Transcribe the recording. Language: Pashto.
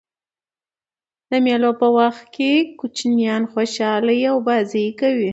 د مېلو په وخت کوچنيان خوشحاله يي او بازۍ کوي.